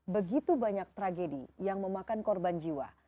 begitu banyak tragedi yang memakan korban jiwa